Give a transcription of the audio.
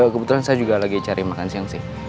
kebetulan saya juga lagi cari makan siang sih